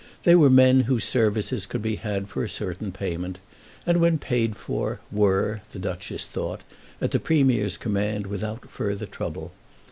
They were men whose services could be had for a certain payment, and when paid for were, the Duchess thought, at the Premier's command without further trouble.